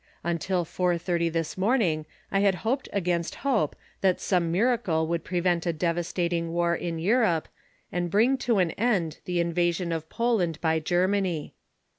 Until four thirty this morning I had hoped against hope that some miracle would prevent a devastating war in Europe and bring to an end the invasion of Poland by Germany.